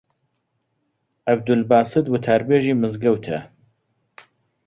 عەبدولباست وتاربێژی مزگەوتە